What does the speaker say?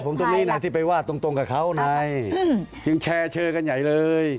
ผมตรงนี้นะที่ไปว่าตรงกับเขาไงยังแชร์เชอกันใหญ่เลย